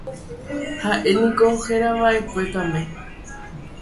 Ha'éniko herava'ekue Kame.